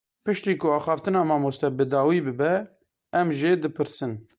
Piştî ku axaftina mamoste bi dawî bibe, em jê dipirsin.